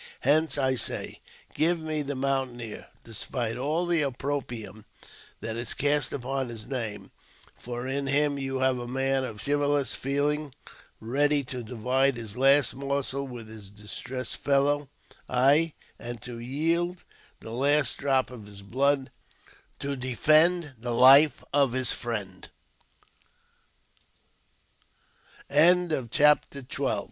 Hence I say. Give me the mountaineer, despite all the opprobrium that is cast upon his name, for in him you have a man of chivalrous feeling, ready to divide his last morsel with his distressed fellow — ay, and to yield the last drop of his blood to d